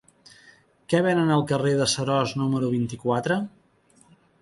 Què venen al carrer de Seròs número vint-i-quatre?